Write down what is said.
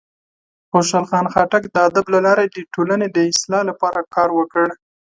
خوشحال خان خټک د ادب له لارې د ټولنې د اصلاح لپاره کار وکړ.